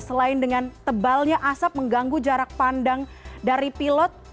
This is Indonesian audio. selain dengan tebalnya asap mengganggu jarak pandang dari pilot